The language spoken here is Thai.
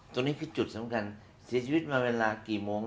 ตรงนี้คือจุดสำคัญเสียชีวิตมาเวลากี่โมง